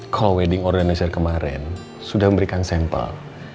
call wedding organizer kemarin sudah memberikan sampel